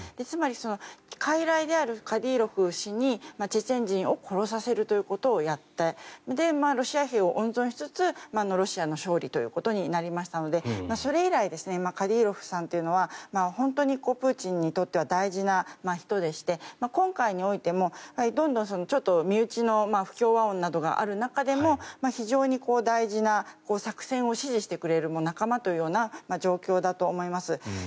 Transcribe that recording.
つまりかいらいであるカディロフ氏にチェチェン人を殺させるということをやってロシア兵を温存しつつロシアの勝利ということになりましたのでそれ以来カディロフさんというのは本当にプーチンにとっては大事な人でして今回においてもどんどん身内の不協和音などがある中でも非常に大事な作戦を支持してくれる仲間というような状況だと思います。